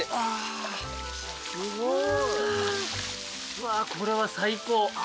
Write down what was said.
うわこれは最高。